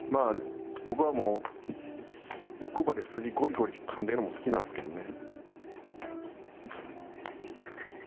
僕はもう奥歯で筋ゴリゴリかんでるのも好きなんですけどね。